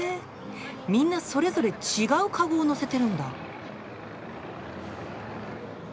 みんなそれぞれ違うかごを載せてるんだ。